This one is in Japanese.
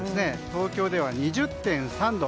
東京では２０．３度。